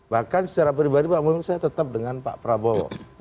bahkan secara pribadi pak muslim saya tetap dengan pak prabowo